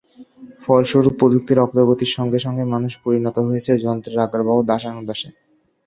ফলস্বরূপ প্রযুক্তির অগ্রগতির সঙ্গে সঙ্গে মানুষ পরিণত হয়েছে যন্ত্রের আজ্ঞাবহ দাসানুদাসে।